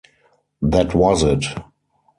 That was it.